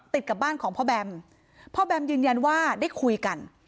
ติดกับบ้านของพ่อแบมพ่อแบมยืนยันว่าได้คุยกัน